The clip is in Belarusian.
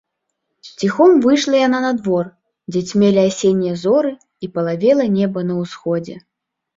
Ціхом выйшла яна на двор, дзе цьмелі асеннія зоры і палавела неба на ўсходзе.